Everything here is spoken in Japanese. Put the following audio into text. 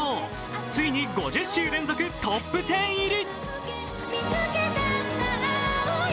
ついに５０週連続トップ１０入り。